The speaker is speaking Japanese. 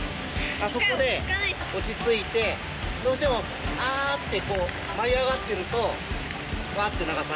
あそこでおちついてどうしても「ああ！」ってこうまい上がってるとワッてながされる。